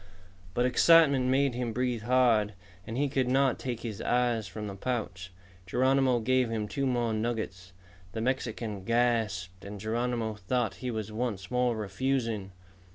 But excitement made him breathe hard, and he could not take his eyes from the pouch. Geronimo gave him two more nuggets. The Mexican gasped and Geronimo thought he was once more refusing.